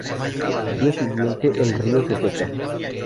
Al día siguiente, el río se seca.